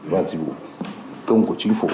và dịch vụ công của chính phủ